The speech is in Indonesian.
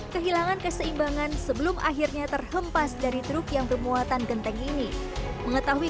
kehilangan keseimbangan sebelum akhirnya terhempas dari truk yang bermuatan genteng ini mengetahui